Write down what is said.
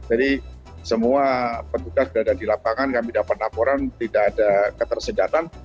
jadi semua penduduk yang berada di lapangan kami dapat laporan tidak ada ketersedaran